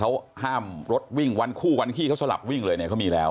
เขาห้ามรถวิ่งวันคู่วันขี้เขาสลับวิ่งเลยเนี่ยเขามีแล้ว